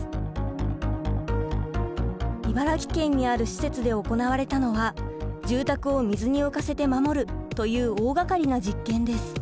茨城県にある施設で行われたのは住宅を水に浮かせて守るという大がかりな実験です。